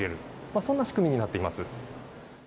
そんな仕組みとなっています。